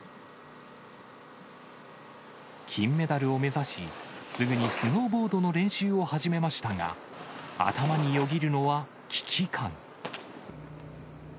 金メダルを目指し、すぐにスノーボードの練習を始めましたが、頭によぎるのは危機感。